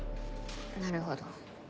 なるほど。